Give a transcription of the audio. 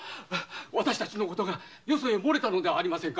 私達のことがよそに洩れたのではありませんか